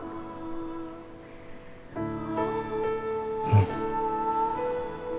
うん。